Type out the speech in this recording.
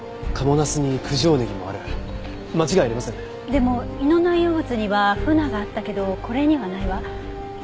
でも胃の内容物には鮒があったけどこれにはないわ。